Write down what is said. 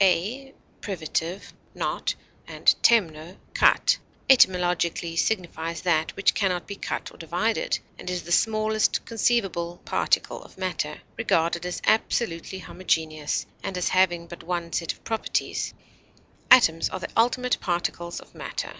_a _ privative, not, and temno, cut) etymologically signifies that which can not be cut or divided, and is the smallest conceivable particle of matter, regarded as absolutely homogeneous and as having but one set of properties; atoms are the ultimate particles of matter.